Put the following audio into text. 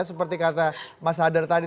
seperti kata mas hadar tadi